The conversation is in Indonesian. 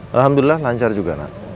alhamdulillah lancar juga nak